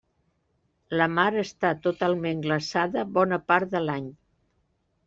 La mar està totalment glaçada bona part de l'any.